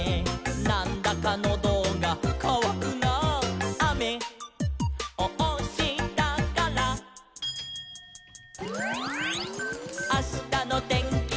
「『なんだかノドがかわくなあ』」「あめをおしたから」「あしたのてんきは」